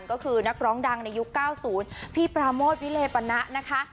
ก็คือนักร้องดังในยุค๙๐พี่ปราโมทวิเลปณะนะคะ